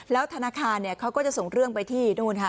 แล้วธนาคารเขาก็จะส่งเรื่องไปที่